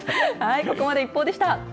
ここまでＩＰＰＯＵでした。